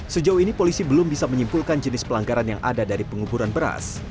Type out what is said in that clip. sejauh ini polisi belum bisa menyimpulkan jenis pelanggaran yang ada dari penguburan beras